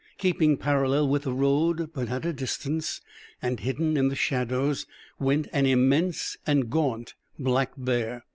Keeping parallel with the road, but at a distance, and hidden in the shadows, went an immense and gaunt black bear.